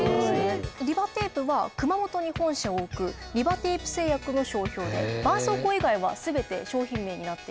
リバテープは熊本に本社を置くリバテープ製薬の商標でばんそうこう以外は全て商品名になっています。